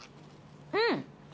うん！